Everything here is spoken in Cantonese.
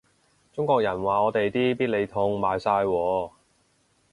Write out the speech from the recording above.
中國人話我哋啲必理痛賣晒喎